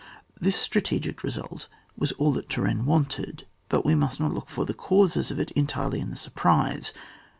This strategic result was all that Turenne wanted, but we must not look for the causes of it en tirely in the surprise.